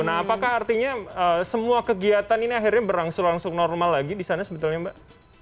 nah apakah artinya semua kegiatan ini akhirnya berlangsung langsung normal lagi di sana sebetulnya mbak